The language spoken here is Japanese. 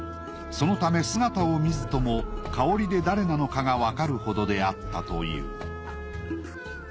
そのため姿を見ずとも香りで誰なのかがわかるほどであったという。